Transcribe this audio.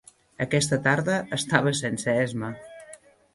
Aquesta tarda estaves sense esma.